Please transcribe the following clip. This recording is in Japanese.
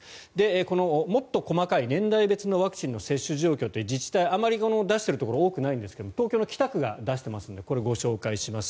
このもっと細かい年代別のワクチン接種状況は自治体、あまり出しているところ多くないんですが東京の北区が出していますのでご紹介します。